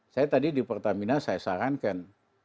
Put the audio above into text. saya tadi di pertamina saya sarankan